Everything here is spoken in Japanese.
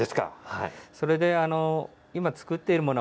それで今、作っているもの